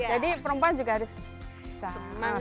jadi perempuan juga harus semangat